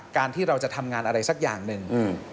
ที่เราจะทำงานอะไรสักอย่างหนึ่ง